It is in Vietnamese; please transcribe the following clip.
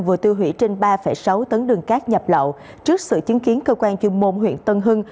vừa tiêu hủy trên ba sáu tấn đường cát nhập lậu trước sự chứng kiến cơ quan chuyên môn huyện tân hưng